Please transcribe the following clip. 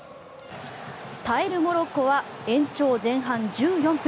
耐えるモロッコは延長前半１４分。